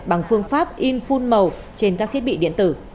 bằng phương pháp in phun màu trên các thiết bị điện tử